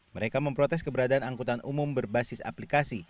mereka memprotes keberadaan angkutan umum berbasis aplikasi